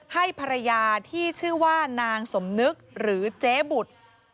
ให้ภรรยาที่ชื่อว่านางสมนึกหรือเจ๊บุตร